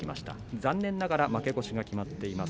残念ながら負け越しが決まっています。